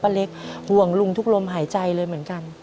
เล็กห่วงลุงทุกลมหายใจเลยเหมือนกัน